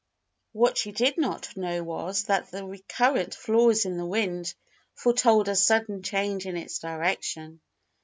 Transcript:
What she did not know was, that the recurrent flaws in the wind foretold a sudden change in its direction.